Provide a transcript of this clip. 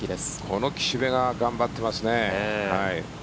この岸部が頑張っていますね。